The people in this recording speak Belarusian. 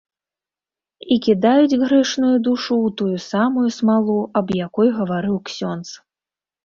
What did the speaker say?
І кідаюць грэшную душу ў тую самую смалу, аб якой гаварыў ксёндз.